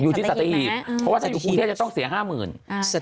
อยู่ที่สตหีพเพราะว่าถ้าอยู่กรุงเทพฯจะต้องเสีย๕๐๐๐๐บาท